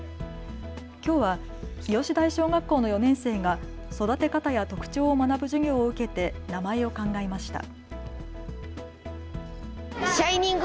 きょうは日吉台小学校の４年生が育て方や特徴を学ぶ授業を受けて名前を考えました。